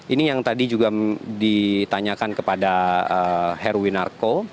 ini yang tadi juga ditanyakan kepada heruwinarko